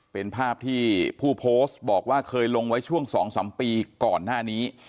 เป็นภาพที่ผู้โพสต์บอกว่าเคยลงไว้ช่วง๒๓ปีก่อนหน้านี้